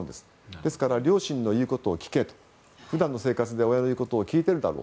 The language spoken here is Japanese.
ですから両親の言うことを聞けと普段の生活で親の言うことを聞いているだろう。